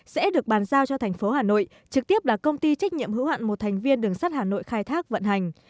sẽ được bàn giao cho thành phố hà nội trực tiếp là công ty trách nhiệm hữu hạn một thành viên đường sắt hà nội khai thác vận hành